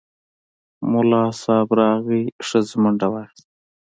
ملا صیب راغی، ښځې منډه واخیسته.